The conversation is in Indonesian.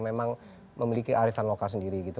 memang memiliki kearifan lokal sendiri gitu